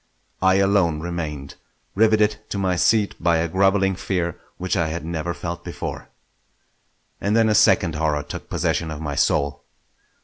I alone remained, riveted to my seat by a grovelling fear which I had never felt before. And then a second horror took possession of my soul.